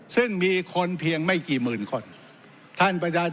ซึ่งมีคนเพียงไม่กี่หมื่นคน